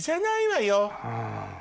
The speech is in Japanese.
うん。